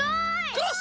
クロス！